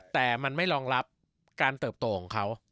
แต่มันไม่รองรับการเติบโตของเขา